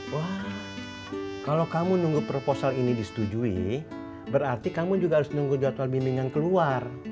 wah kalau kamu nunggu proposal ini disetujui berarti kamu juga harus nunggu jadwal bimbingan keluar